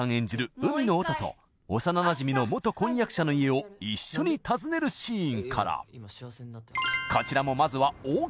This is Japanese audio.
海野音と幼なじみの元婚約者の家を一緒に訪ねるシーンからこちらもまずはＯＫ